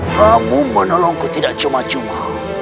kamu menolongku tidak cuma cuma